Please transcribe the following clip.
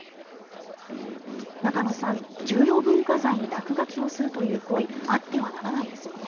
中野さん、重要文化財に落書きをするという行為あってはならないですよね。